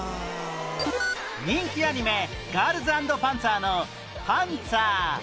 人気アニメ『ガールズ＆パンツァー』の「パンツァー」